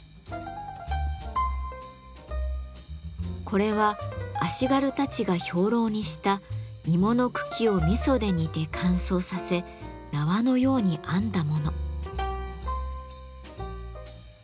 これは足軽たちが兵糧にした芋の茎を味噌で煮て乾燥させ縄のように編んだもの。